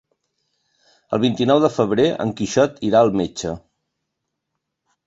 El vint-i-nou de febrer en Quixot irà al metge.